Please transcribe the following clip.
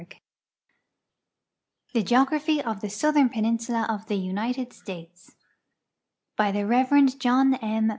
12 THE GEOGRAPHY OF THE SOUTHERN PENINSULA OF THE UNITED STATES The Rev. John N.